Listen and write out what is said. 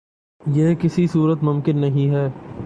یہ کسی صورت ممکن نہیں ہے